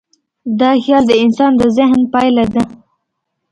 دا خیال د انسان د ذهن پایله ده.